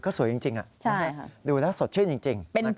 ก็สวยจริงน่ะดูแล้วสดชื่นจริงนะครับใช่ค่ะ